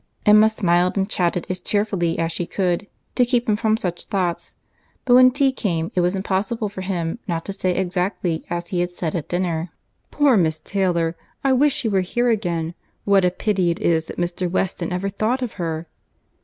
Emma smiled and chatted as cheerfully as she could, to keep him from such thoughts; but when tea came, it was impossible for him not to say exactly as he had said at dinner, "Poor Miss Taylor!—I wish she were here again. What a pity it is that Mr. Weston ever thought of her!"